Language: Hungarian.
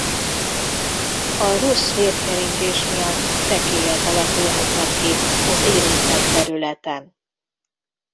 A rossz vérkeringés miatt fekélyek alakulhatnak ki az érintett területen.